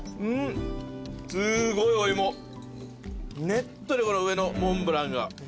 ねっとりこの上のモンブランが。